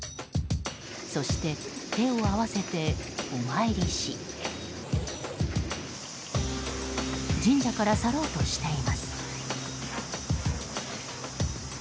そして、手を合わせてお参りし神社から去ろうとしています。